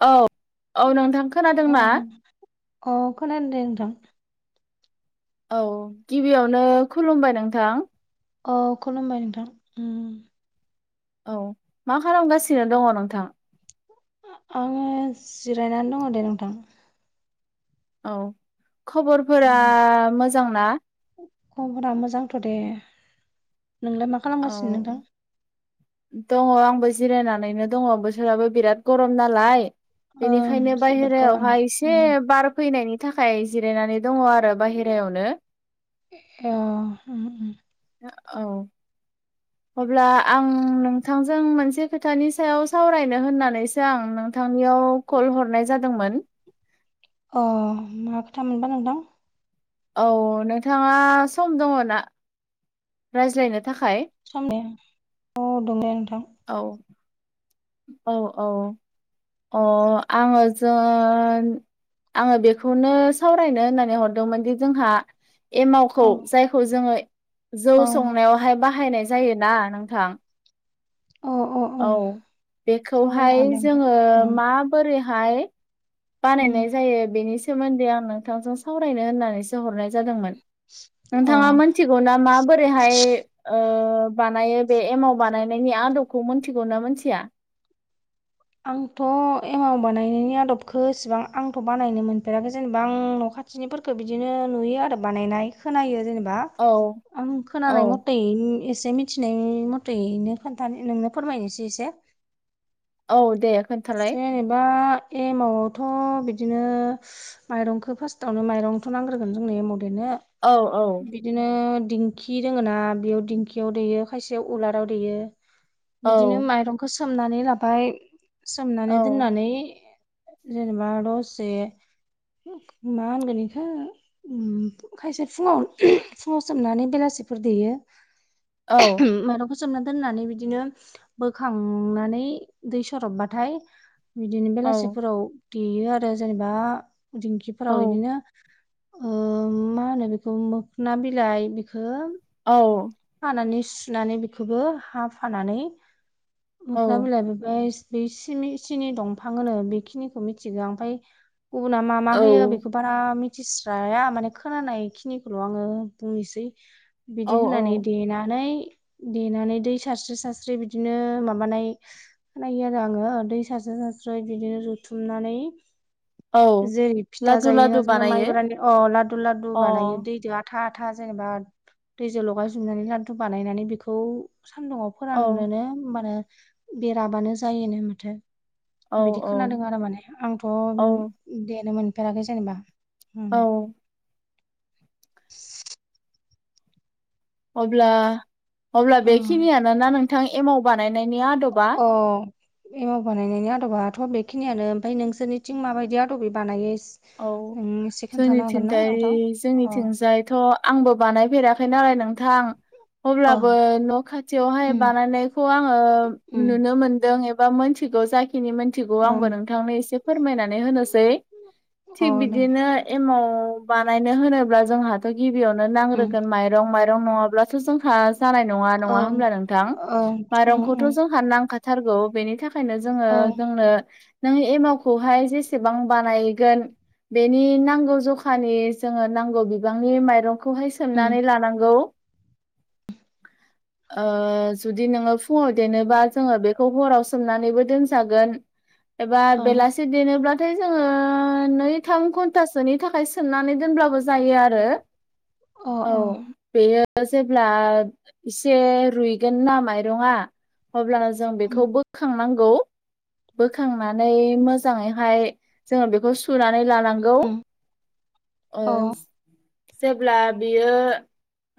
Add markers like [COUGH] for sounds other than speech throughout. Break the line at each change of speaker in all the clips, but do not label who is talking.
औ
अ अ खोनादों दे नोंथां।
औ गिबियावनो खुलुमबाय नोंथां।
अ खुलुमबाय नोंथां। उम
औ मा खालामगासिनो दङ नोंथां?
आङो जिरायनानै दङ दे नोंथां।
औ खबरफोरा मोजां ना?
खबरा मोजांथ' दे। नोंलाय मा
औ दङ आंबो जिरायनानैनो दङ बोथोराबो बिराद गरम नालाय बेनिखायनो बायहेरायावहाय एसे बार फैनायनि थाखाय जिरायनानै दङ आरो बायहेरायावनो।
अ
औ अब्ला आं नोंथांजों मोनसे खोथानि सायाव सावरायनो होननानैसो आं नोंथांनियाव कल हरनाय जादोंमोन।
अ मा खोथा मोनबा नोंथां?
औ नोंथाङा सम दङ ना? रायज्लायनो थाखाय?
समने औ दं दे नोंथां।
औ औ औ अ आङो जोन आङो बेखौनो सावरायनो होननानै हरदोंमोन दि जोंहा एमावखौ जायखौ जोङो जौ संनायावहाय बाहायनाय जायोना नोंथां।
अ अ
औ बेखौहाय जोङो माबोरैहाय बानायनाय जायो बेनि सोमोन्दै आं नोंथांजों सावरायनो होननानैसो हरनाय जादोंमोन। नोंथाङा मोनथिगौ ना माबोरैहाय ओ बानायो बे एमाव बानायनायनि आदबखौ मोन्थिगौ ना मोनथिया?
आंथ' एमाव बानायनायनि आदबखो एसेबां आंथ' बानायनो मोनफेराखै जेनेबा आं न' खा थिनिफोरखौ बिदिनो नुयो आरो बानायनाय खोनायो जेनेबा। आं खोनानाय मथै एसे मि मिथिनाय मथैनो खोन्थानो नोंनो फोरमायनोसै एसे।
औ दे।
जेनेबा एमावआवथ' बिदिनो माइरंखौ फास्टआवनो माइरंथ' नांग्रोगोन जोंनो एमाव देनो।
औ औ।
बिदिनो दिंखि दोङोना बेयाव दिंखियाव दैयो खायसेयाव उलाराव देयो। बिदिनो माइरंखौ सोमनानै लाबाय सोमनानै दोननानै जेनेबा दसे मा होनगोन आंगो? खायसे फुङाव फुङाव सोमनानै बेलासिफोर देयो माइरं फोसोमना दोननानै बिदिनो बोखांनानै दै सरबबा बिदिनो बेलासिफोराव दे आरो जेनेबा दिंखि फोराव बिदिनो मा होनो बेखौ मोखोन बिलाइ बेखौ
औ
फानानै सुनानै बेखौबो हा फानानै मोख्रा बिलाइ बेफ्राय बे सिनि सिनि दंफां होनो बेखिनिखौ मिथिगौ आओमफ्राय गुबुना मा मा होयो बेखौ बारा मिथिस्राया माने खोनानाय खिनिखौल' आङो बुंनोसै। बिदि होनानै देनानै देनानै दै सारस्रि सारस्रि बिदिनो माबानाय खानायो आरो आङो दै सारस्राय सारस्राय बिदिनो रुथुमनानै जेरै फिथा जायोना जोङो माइब्रानि अ लादु लादु बानायो दैजों आ था था जेनेबा दैजों लगायजोबनानै लान्दु बानायनानै बेखौ सान्दुंआव फोराननोनो होमबानो बेराबानो जायोनो माथो। बिदि खोनादों आरो माने आंथ' देनो मोनफेराखै जेनेबा। हुम
अब्ला अब्ला बेखिनियानो ना नोंथां एमाव बानायनायनि आदबा।
अ एमाव बानायनायनि आदबाथ' बेखिनियानो ओमफाय नोंसोरनिथिं माबायदि आदबै बानायो?
औ जोंनि थिंथाय जोंनिथिंजायथ' आंबो बानायफेराखै नालाय नोंथां। अब्लाबो न' खाथियावहाय बानायनायखौ आङो नुनो मोनदों। बा मिथिगौ जाखिनि मोनथिगौ आंबो नोंथांनो एसे फोरमायनानै होनोसै।। थिग बिदिनो एमाव बानायनो होनोब्ला जोंहाथ' गिबियावनो नांग्रोगोन माइ- रं माइरं नङाब्लाथ' जोंहा जानाय नङा नङा होमब्ला नोंथां माइरंखौथ' जोंहा नांखाथारगौ बेनि था खायनो जोङो जोंनो नों एमावखौहाय जेसेबां बानायगोन बेनि नांगौ जखानि जोङो नांगौ बिबांनि माइरंखौहाय सोमनानै लानांगौ। ओ जुदि नोङो फुङाव देनोबा जोङो बेखौ हराव सोमनानैबो दोनजागोन। एबा बेलासि देनोब्लाथाय जोङो नै थाम घन्टासोनि थाखाय सोमनानै दोनब्लाबो जायो आरो औ बेयो जेब्ला इसे रुइगोन ना माइरंआ अब्ला जों बेखौ बोखांनांगौ। बोखांनानै मोजाङैहाय जोङो बेखौ सुना नै लानांगौ ओ जेब्ला बियो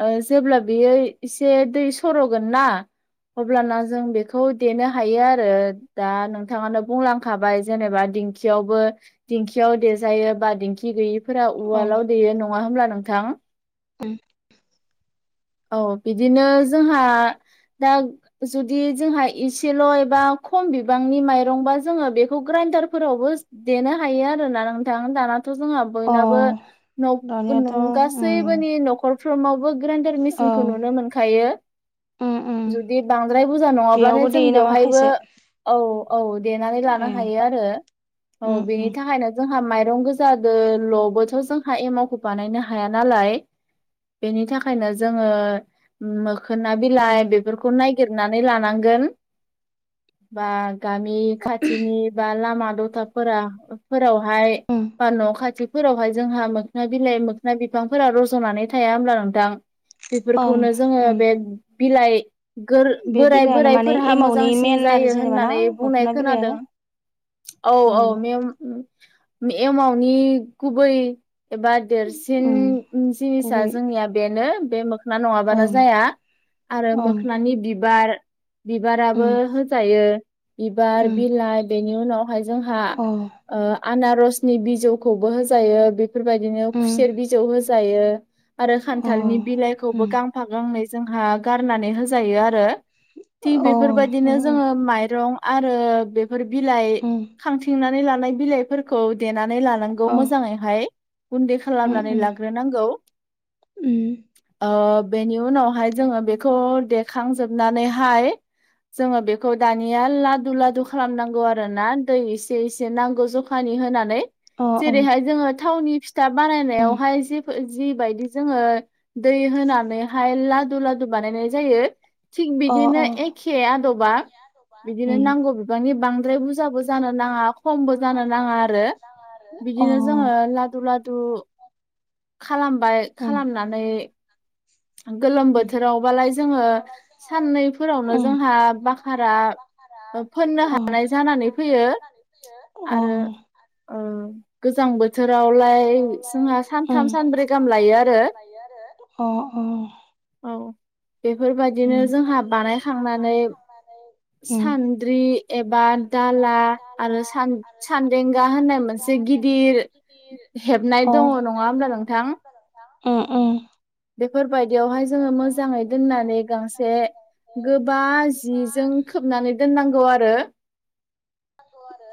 ओ जेब्ला बेयो इसे दै सर'गोन ना। अब्लाना जों बेखौ देनो हायो आरो दा नोंथाङानो बुंलांखाबाय जेनेबा दिंखि खियावबो दिंखियाव देरेजायो बा दिेंखि गैयिफोरा उवालाव देयो नङा होमब्ला नोंथां?
उम
औ बिदिनो जोंहा दा जुदि जोंहा इसेल' एबा खम बिबांनि माइरंबा जोङो बेखौ ग्राइनडारफोरावबो देनो हायो आरोना नोंथां दानाथ' जोंहा बयनाबो न गासैबोनि न'खरफ्रावबो ग्रेन्दा जोंखौ नुनो मोनखायो। जुदि बांद्राय बुरजा नङाब्लाथाय जों बेवहायबो औ औ देनानै लानो हायो आरो औ बेनि थाखायनो जोंहा माइरं गोजादो लबोथ जोंहा एमावखौ बानायनो हाया नालाय बेनि थाखायनो जोङो मोखोना बिलाइ बेफोरखौ नायगिरनानै लानांगोन बा गामि खाथिनि बा लामा दथाफोरा फोराव हाय बा न'खाथि फोरावहाय जोंहा मोखोना बिलाइ मोखोना बिफांफोरा रजनानै थाया होमब्ला नोंथां बेफोरखौनो जोङो बे बिलाइ गोर बोराय बोरायफोरहा मोजांसिन जायो होननानै बुंनाय खोनादों औ औ मे एमावनि गुबै एबा देरसिन जिनिसा जोंनिया बेनो बे मोखोना नङाबानो जाया आरो मोखोननि बिबार बिबाराबो होजायो बिबार बिलाइ बेनि उनावहाय जोंहा ओ आनारसनि बिजौखौबो होजायो बि बेफोरबायदिनो खुसेर बिजौ होजायो आरो खान्थालनि बिलाइखौबो गांफा गांनै जोंहा गारनानै होजायो आरो थिग बेफोरबायदिनो जोङो माइरं आरो बे बिलाइ खांथिंनानै लानाय बिलाइफोरखौ देनानै लानां खौ मोजाङैहाय गुन्दै खालामनानै लाग्रोनांगौ
उम
ओ बेनि उनावहाय जोङो बेखौ देखांजोबनानैहाय जोङो बेखौ दानिया लादु लादु खालामनांगौ आरोना दै एसे एसे नांगौ ज खानि होनानै जेरैहाय जोङो थावनि फिथा बानायनायावहाय जिफो जिबायदि जोङो दै होनानैहाय लादु लादु बानायनाय जायो थिग बिदिनो एखे आदबा बिदिनो नांगौ बिबांनि बांद्राय बुरजाबो जानो नाङा खमबो जानो नाङा आरो बिदिनो जोङो लादु लादु खालामबाय खालामनानै गोलोम बोथोरावबालाय जोङो साननैफोरावनो जोंहा बाखारा फोननो हानाय जानानै फैयो
ओं
गोजां बोथोरावलाय जोंहा सानथाम सानब्रै गाहाम लायो आरो
अ अ
औ बेफोरबायदिनो जोंहा बानायखांनानै सान्द्रि एबा दाला आरो सान सान्देंगा होननाय मोनसे गिदिर हेबनाय दङ नङा होमब्ला नोंथां
उम उम
बेफोरबायदियावहाय जोङो मोजाङै दोननानै गांसे गोबा जिजों खोबनानै दोननांगौ आरो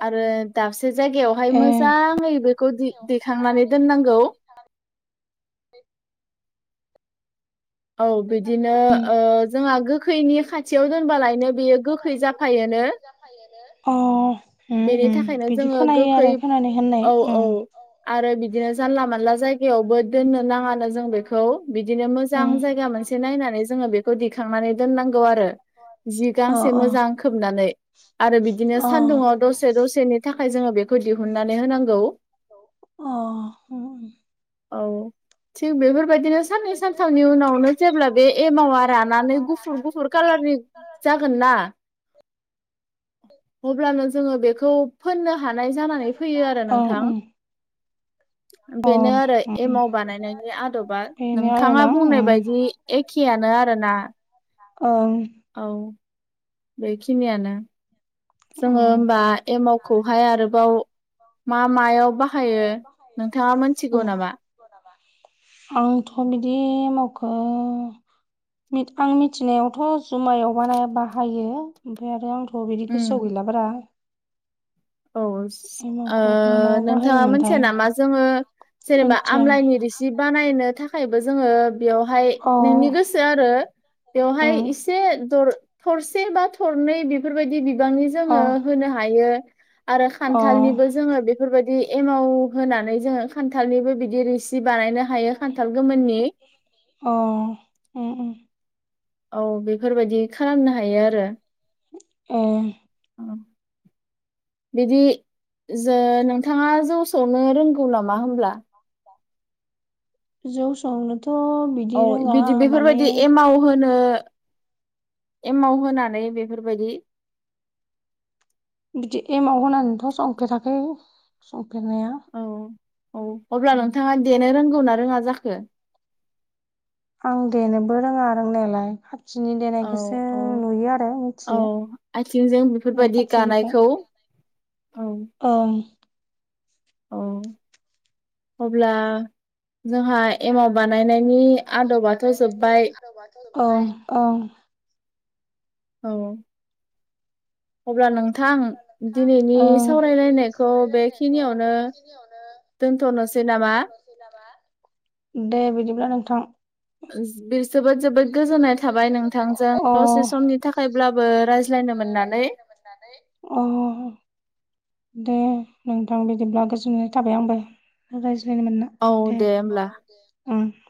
आरो दाबसे जायगायावहाय मोजाङै बेखौ दि दैखांनानै दोननांगौ औ बिदिनो जोंहा गोखैनि खाथियाव दोनबालायनो
[UNINTELLIGIBLE] अ उम उम बिदि खोनायो आरो खोनानायालाय
आरो बिदिनो जानला मोनानला जायगायावबो दोननो नाङानो जों बेखौ बिदिनो मोजां जायगा मोनसे नायनानै जोङो बेखौ दिखांनानै दोननांगौ आरो जि गांसे मोजां खोबनानै आरो बिदिनो सान्दुङाव दसे दसेनि थाखाय जोङो बेखौ दिहुननानै होनांगौ
अ
औ थिग बेफोरबायदिनो साननै सानथामनि उनावनो जेब्ला बे एमावा रानानै गुफुर गुफुर कालारनि जा गोनना अब्लानो जोङो बेखौ फोननो हानाय जानानै फैयो आरो नोंथां बेनो आरो एमाव बानायनायनि आदबा नोंथाङा बुंनाय बायदि एखेआनो आरोना
ओं
औ बेखिनियानो जोङो होमबा एमाव खौहाय आरोबाव मा मायाव बाहायो नोंथाङा मोनथिगौ नामा
आंथ बिदि मावखौ आं मिथिनायावथ जुमायाव बारा बाहायो ओमफ्राय आरो आंथ बिदि गोसोआव गैला बारा
औ ओ नोंथाङा मोनथिया नामा जोङो जेनेबा आमलाइनि रोसि दि बानायनो थाखायबो जोङो बेयावहाय नोंनि गोसो आरो बेवहाय जे दर थरसे बा थरनै बेफोरबायदि बिबांनि जोङो होनो हायो आरो खान्थालनिबो जोङो बेफोरबायदि एमाव होनानै जोङो खान्थालनिबो बिदि रिसि बानायनो हायो खान्थाल गोमोननि
अ उम उम
औ बेफोरबायदि खालामनो हायो आरो
ओं
औ बिदि जो नोंथाङा जौ सौनो रोंगौ नामा होनब्ला
जौ संनोथ
औ बिदि बेफोरबायदि एमाव होनो एमाव होनानै बेफोरबायदि
बिदि एमाव होनानैथ संफेराखै संफेरनाया
औ औ अब्ला नोंथाङा देनो रोंगौना रोङा जाखो
आं देनोबो रोङा रोंनायालाय
औ औ औ आथिंजों बेफोरबायदि गानायखौ औ
ओं
औ अब्ला जोंहा एमाव बानायनायनि आदबाथ जोब्बाय
ओं ओं
औ अब्ला नोंथां दिनैनि सावरायलायनायखौ बेखिनियावनो दोनथनोसै नामा
दे बिदिब्ला नोंथां
[UNINTELLIGIBLE] जोबोद जोबोद गोजोननाय थाबाय नोंथांजों दसे समनि थाखायब्लाबो रायज्लायनो मोननानै
अ दे नोंथां बिदिब्ला गोजोननाय थाबाय आंबो रायज्लायनो मोनना
औ दे होमब्ला
उम